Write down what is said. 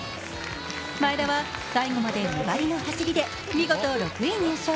前田は最後まで粘りの走りで見事６位入賞。